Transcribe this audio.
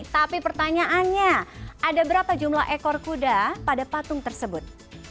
tapi pertanyaannya ada berapa jumlah ekor kuda pada patung tersebut